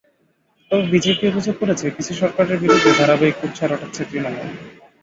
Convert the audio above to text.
তবে বিজেপি অভিযোগ করছে, পিসি সরকারের বিরুদ্ধে ধারাবাহিক কুৎসা রটাচ্ছে তৃণমূল।